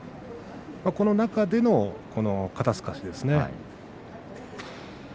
この中での肩すかしですね。